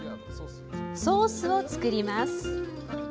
ソースを作ります。